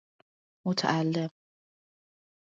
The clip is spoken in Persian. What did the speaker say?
متعلم